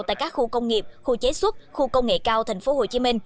tại các khu công nghiệp khu chế xuất khu công nghệ cao tp hcm